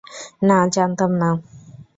না, জানতাম না।